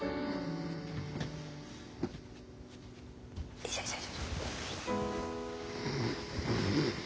よいしょよいしょ。